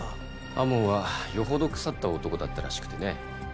天羽はよほど腐った男だったらしくてね。